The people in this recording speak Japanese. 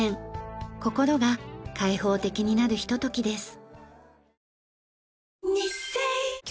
心が開放的になるひとときです。